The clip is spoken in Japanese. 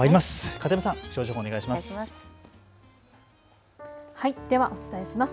片山さん、気象情報お願いします。